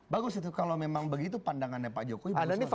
bagus itu kalau memang begitu pandangannya pak jokowi